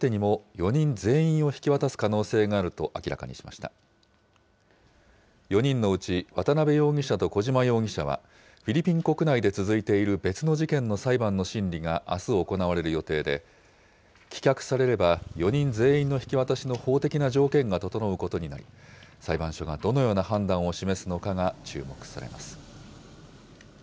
４人のうち、渡邉容疑者と小島容疑者は、フィリピン国内で続いている別の事件の裁判の審理があす行われる予定で、棄却されれば、４人全員の引き渡しの法的な条件が整うことになり、裁判所がどのような判断を示すのかが注目されます。